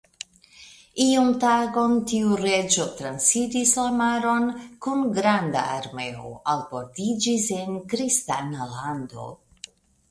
Iun tagon tiu reĝo transiris la maron kun granda armeo, albordiĝis en kristana lando.